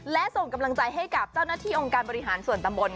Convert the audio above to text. และส่งกำลังใจให้กับเจ้าหน้าที่องค์การบริหารส่วนตำบล